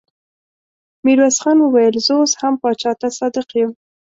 ميرويس خان وويل: زه اوس هم پاچا ته صادق يم.